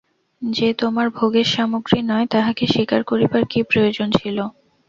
যে তোমার ভোগের সামগ্রী নয়, তাহাকে শিকার করিবার কী প্রয়োজন ছিল।